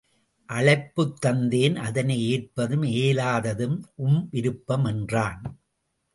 அழைப்புத் தந்தேன் அதனை ஏற்பதும் ஏலாததும் உம் விருப்பம் என்றான்.